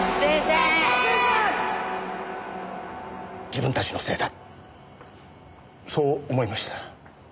自分たちのせいだそう思いました。